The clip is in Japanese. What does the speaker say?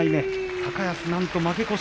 高安、なんと負け越し。